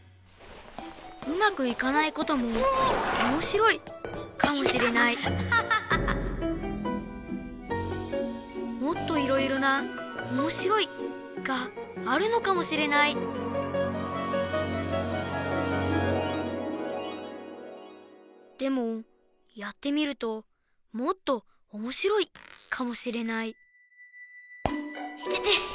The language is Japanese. うまくいかないこともおもしろいかもしれないもっといろいろな「おもしろい」があるのかもしれないでもやってみるともっとおもしろいかもしれないいてて。